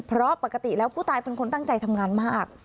เพราะปกติแล้วผู้ตายเป็นคนตั้งใจทำงานมาก